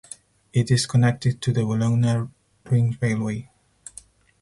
It is connected to the Bologna ring railway.